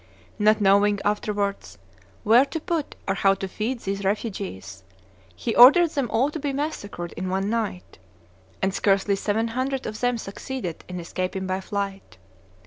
Not knowing, afterwards, where to put or how to feed these refugees, he ordered them all to be massacred in one night; and scarcely seven hundred of them succeeded in escaping by flight.